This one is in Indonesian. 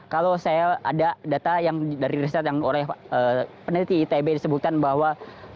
kalau saya ada data dari riset yang peneliti itb sebutkan bahwa